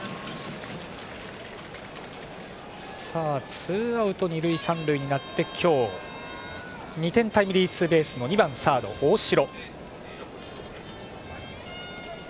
ツーアウト二塁三塁になって今日２点タイムリーツーベースの２番、サード大城。